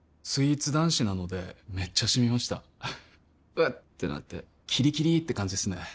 スイーツ男子なのでめっちゃシミました「うっ」ってなってキリキリって感じですね